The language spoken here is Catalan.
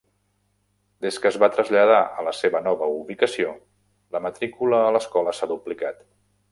Des que es va traslladar a la seva nova ubicació, la matricula a l'escola s'ha duplicat.